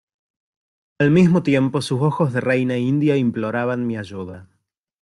al mismo tiempo sus ojos de reina india imploraban mi ayuda: